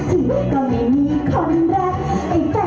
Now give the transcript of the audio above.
หยุดมีท่าหยุดมีท่า